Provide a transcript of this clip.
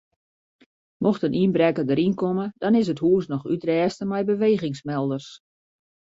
Mocht in ynbrekker deryn komme dan is it hûs noch útrêste mei bewegingsmelders.